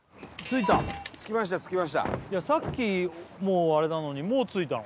いやさっきもうあれなのにもう着いたの？